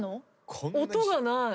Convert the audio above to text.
音がない。